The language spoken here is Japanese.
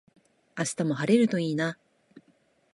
明日も晴れるといいな。